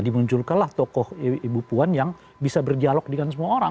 dan itu adalah tokoh ibu puan yang bisa berdialog dengan semua orang